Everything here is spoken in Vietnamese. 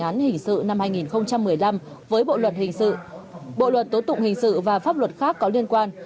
án hình sự năm hai nghìn một mươi năm với bộ luật hình sự bộ luật tố tụng hình sự và pháp luật khác có liên quan